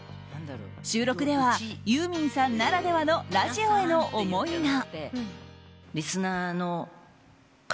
収録ではユーミンさんならではのラジオへの思いが。